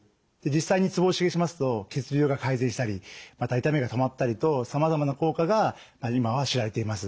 実際にツボを刺激しますと血流が改善したりまた痛みが止まったりとさまざまな効果が今は知られています。